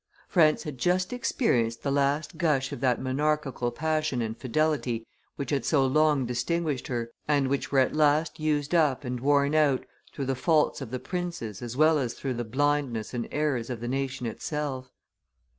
France had just experienced the last gush of that monarchical passion and fidelity which had so long distinguished her, and which were at last used up and worn out through the faults of the princes as well as through the blindness and errors of the nation itself.